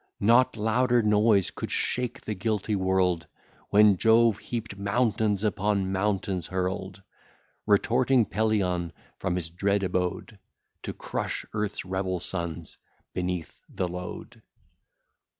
Not louder noise could shake the guilty world, When Jove heap'd mountains upon mountains hurl'd; Retorting Pelion from his dread abode, To crush Earth's rebel sons beneath the load.